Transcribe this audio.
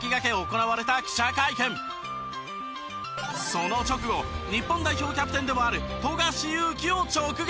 その直後日本代表キャプテンでもある富樫勇樹を直撃！